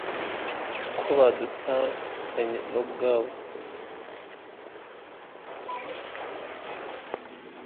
kubatandukanye nabo ubwabo